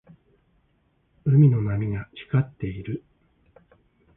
海の波が光っている。